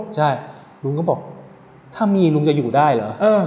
ใช่ลุงก็บอกถ้ามีลุงจะอยู่ได้เหรอ